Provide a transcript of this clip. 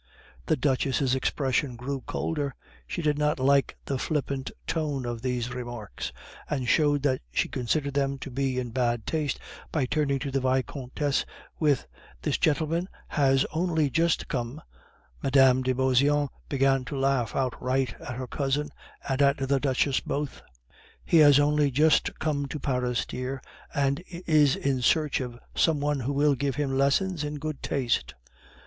The Duchess' expression grew colder, she did not like the flippant tone of these remarks, and showed that she considered them to be in bad taste by turning to the Vicomtesse with "This gentleman has only just come " Mme. de Beauseant began to laugh outright at her cousin and at the Duchess both. "He has only just come to Paris, dear, and is in search of some one who will give him lessons in good taste."